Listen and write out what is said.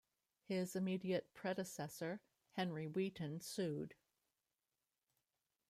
His immediate predecessor Henry Wheaton sued.